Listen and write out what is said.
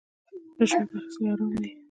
رشوت اخیستل حرام دي